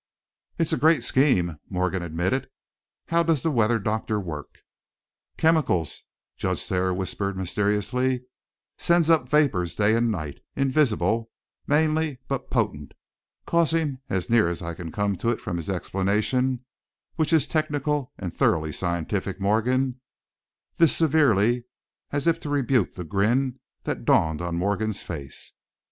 "It's a great scheme," Morgan admitted. "How does the weather doctor work?" "Chemicals," Judge Thayer whispered, mysteriously; "sends up vapors day and night, invisible, mainly, but potent, causing, as near as I can come to it from his explanation which is technical and thoroughly scientific, Morgan " this severely, as if to rebuke the grin that dawned on Morgan's face.